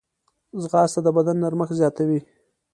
ځغاسته د بدن نرمښت زیاتوي